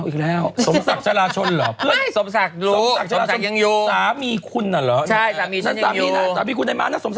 อะไรนะไห้ส่อต้องพูด